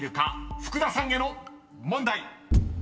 福田さんへの問題］